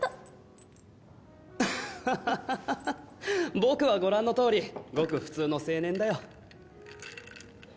僕はご覧のとおりごく普通の青年だよ。